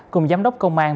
cùng giám đốc công an